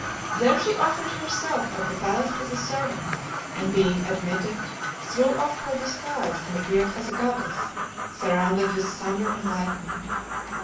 There she offered herself at the palace as a servant, and being admitted, threw off her disguise and appeared as a goddess, surrounded with thunder and lightning.